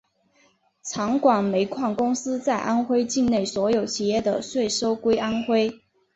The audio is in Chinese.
长广煤矿公司在安徽境内所有企业的税收归安徽。